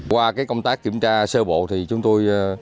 qua công tác kiểm tra sơ bộ chúng tôi